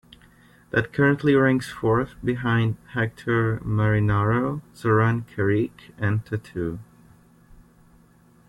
That currently ranks fourth behind Hector Marinaro, Zoran Karic, and Tatu.